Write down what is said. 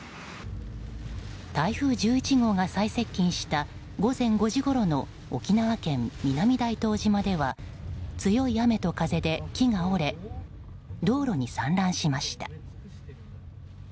台風１１号が最接近した午前５時ごろの沖縄県南大東島では強い雨と風で木が折れ道路に散乱しました。